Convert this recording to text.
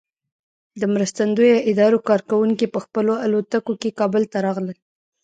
د مرستندویه ادارو کارکوونکي په خپلو الوتکو کې کابل ته راغلل.